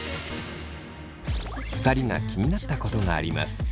２人が気になったことがあります。